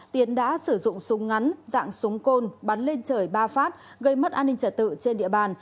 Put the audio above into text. tiến đã sử dụng súng ngắn dạng súng côn bắn lên trời ba phát gây mất an ninh trả tự trên địa bàn